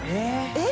えっ？